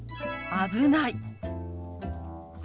危ない。